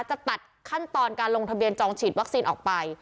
จะตัดขั้นตอนการลงทะเบียนจองฉีดวัคซีนออกไป